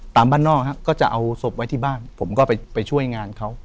บ้านนอกก็จะเอาศพไว้ที่บ้านผมก็ไปช่วยงานเขา